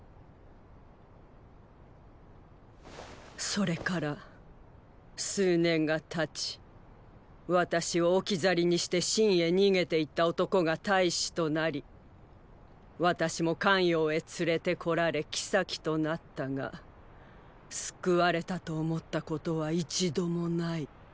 それから数年がたち私を置き去りにして秦へ逃げていった男が太子となり私も咸陽へ連れて来られ后となったが救われたと思ったことは一度もない。